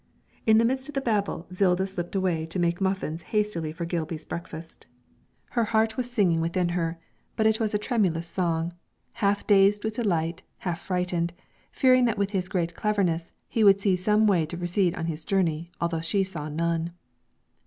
In the midst of the babel Zilda slipped away to make muffins hastily for Gilby's breakfast. Her heart was singing within her, but it was a tremulous song, half dazed with delight, half frightened, fearing that with his great cleverness he would see some way to proceed on his journey although she saw none.